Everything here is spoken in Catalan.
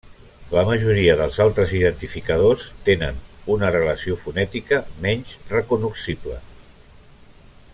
La majoria dels altres identificadors tenen una relació fonètica menys recognoscible.